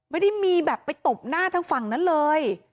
ไม่ได้มีแบบไปตบหน้าทางฝั่งนั้นเลย